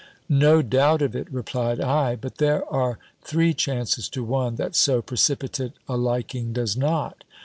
"No doubt of it," replied I. "But there are three chances to one, that so precipitate a liking does not.